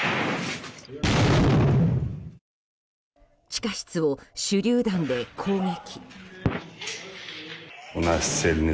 地下室を手りゅう弾で攻撃。